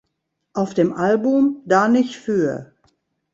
Auf dem Album "da nich für!